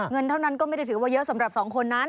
เงินเท่านั้นก็ไม่ได้ถือว่าเยอะสำหรับสองคนนั้น